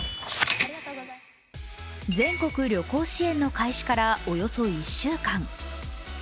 全国旅行支援の開始からおよそ１週間。